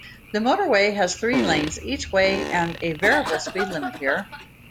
The motorway has three lanes each way and a variable speed limit here.